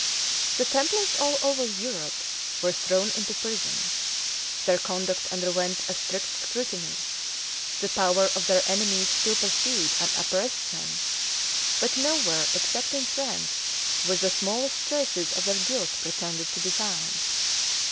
The templars all over Europe were thrown into prison; their conduct underwent a strict scrutiny; the power of their enemies still pursued and oppressed them; but nowhere, except in France, were the smallest traces of their guilt pretended to be found.